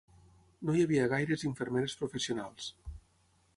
No hi havia gaires infermeres professionals